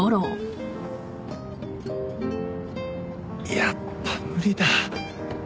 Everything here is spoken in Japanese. やっぱ無理だ。